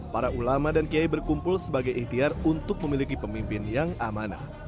para ulama dan kiai berkumpul sebagai ikhtiar untuk memiliki pemimpin yang amanah